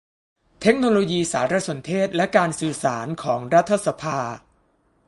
เทคโนโลยีสารสนเทศและการสื่อสารของรัฐสภา